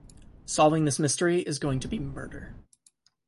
Solving this mystery is going to be murder.